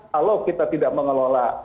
kalau kita tidak mengelola